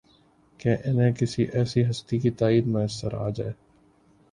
کہ انہیں کسی ایسی ہستی کی تائید میسر آ جائے